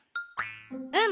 うん。